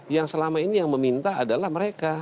karena ini yang meminta adalah mereka